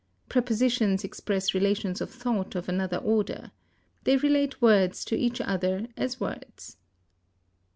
Prepositions express relations of thought of another order. They relate words to each other as words.